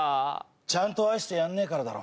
ちゃんと愛してやんねえからだろ。